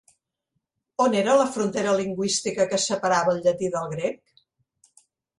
On era la frontera lingüística que separava el llatí del grec?